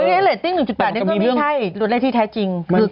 เพราะยังไล่ติ้ง๑๘นี่ก็ไม่ใช่รวดเล่นที่แท้จริง